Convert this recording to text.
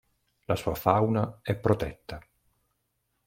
La sua fauna è protetta.